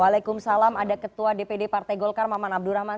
waalaikumsalam ada ketua dpd partai golkar maman abdurrahman